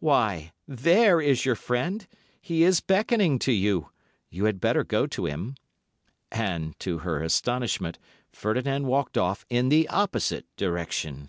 "Why, there is your friend! He is beckoning to you. You had better go to him." And, to her astonishment, Ferdinand walked off in the opposite direction.